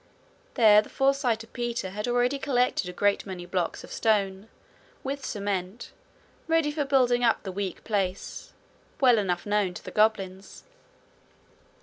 There the foresight of Peter had already collected a great many blocks of stone, with cement, ready for building up the weak place well enough known to the goblins.